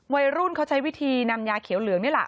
วัยรุ่นเขาใช้วิธีนำยาเขียวเหลืองนี่แหละ